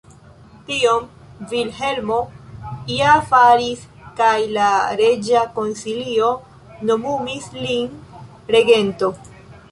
Tion Vilhelmo ja faris, kaj la reĝa konsilio nomumis lin regento.